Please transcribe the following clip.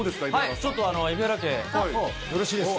ちょっと蛯原家、よろしいですか？